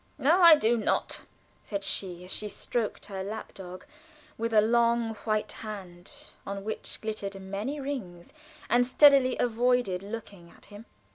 "No, I do not," said she, as she stroked her lap dog with a long, white hand on which glittered many rings, and steadily avoided looking at him.